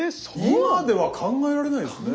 今では考えられないですね。